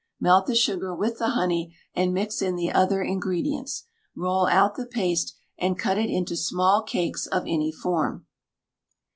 Melt the sugar with the honey, and mix in the other ingredients; roll out the paste, and cut it into small cakes of any form.